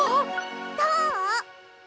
どう！？